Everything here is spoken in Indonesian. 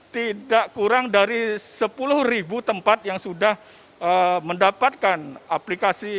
tidak kurang dari sepuluh tempat yang sudah mendapatkan aplikasi